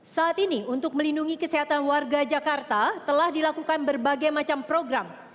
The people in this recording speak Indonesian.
saat ini untuk melindungi kesehatan warga jakarta telah dilakukan berbagai macam program